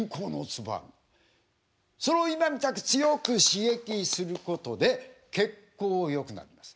それを今みたく強く刺激することで血行よくなります。